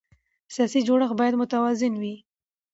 سیاسي جوړښت باید متوازن وي